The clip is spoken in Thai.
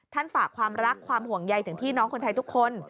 ฝากความรักความห่วงใยถึงพี่น้องคนไทยทุกคน